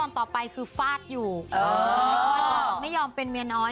อย่างว่ากับไม่ยอมเป็นเมียน้อย